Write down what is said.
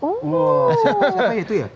siapa siapa itu ya